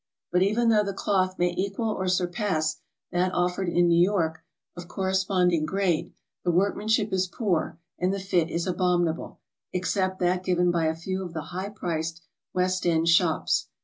But even though the cloth may equal or surpass that offered in New York of corresponding grade, the workmanship is poor and the fit is abominable, except that given by a few of the high priced West End shops.